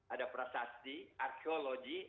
ada prasasti arkeologi